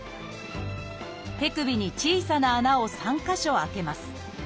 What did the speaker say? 手首に小さな穴を３か所あけます。